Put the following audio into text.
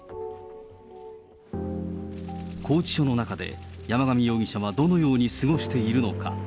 拘置所の中で、山上容疑者はどのように過ごしているのか。